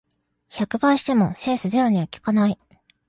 百倍してもセンスゼロには効かない